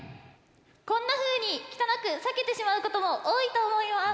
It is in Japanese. こんなふうに汚く裂けてしまうことも多いと思います。